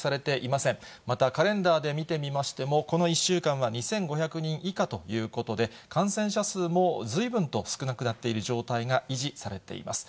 またカレンダーで見てみましても、この１週間は２５００人以下ということで、感染者数もずいぶんと少なくなっている状態が維持されています。